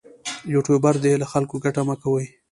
یوټوبر دې له خلکو ګټه مه کوي.